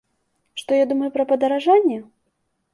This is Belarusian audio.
Што я думаю пра падаражанне?